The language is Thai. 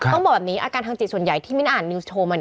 ต้องบอกแบบนี้อาการทางจิตส่วนใหญ่ที่มิ้นอ่านนิวส์โชว์มา